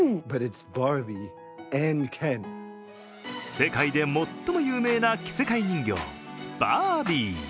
世界で最も有名な着せ替え人形、バービー。